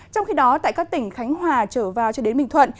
trong khi đó tại các tỉnh khánh hòa trở vào cho đến bình thuận